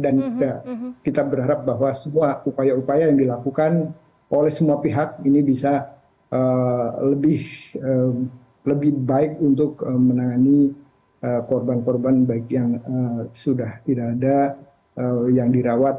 dan kita berharap bahwa semua upaya upaya yang dilakukan oleh semua pihak ini bisa lebih lebih baik untuk menangani korban korban yang sudah tidak ada yang dirawat